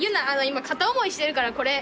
今片思いしてるからこれ。